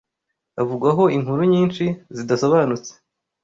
Avugwaho inkuru nyinshi zidasobanutse